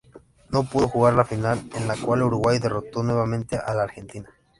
No pudo jugar la final, en la cual Uruguay derrotó nuevamente a la Argentina.